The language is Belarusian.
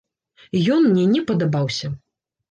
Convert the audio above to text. Ён мне не падабаўся.